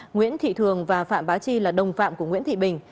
nguyễn thị thường và phạm bá chi là đồng phạm của nguyễn thị bình